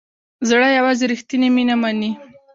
زړه یوازې ریښتیني مینه مني.